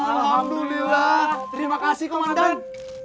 alhamdulillah terima kasih komandan